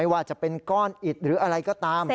ว่าจะเป็นก้อนอิดหรืออะไรก็ตาม